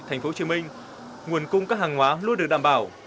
thành phố hồ chí minh nguồn cung các hàng hóa luôn được đảm bảo